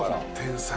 天才。